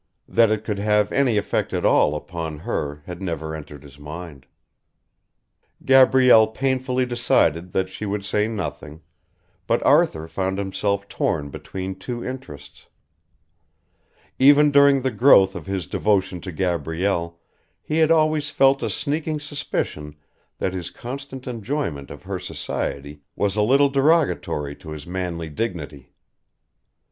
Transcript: That it could have any effect at all upon her had never entered his mind. Gabrielle painfully decided that she would say nothing, but Arthur found himself torn between two interests. Even during the growth of his devotion to Gabrielle he had always felt a sneaking suspicion that his constant enjoyment of her society was a little derogatory to his manly dignity.